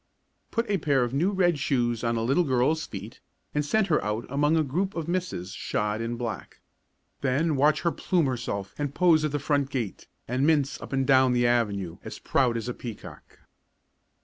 Put a pair of new red shoes on a little girl's feet and send her out among a group of misses shod in black. Then watch her plume herself and pose at the front gate and mince up and down the avenue, as proud as a peacock.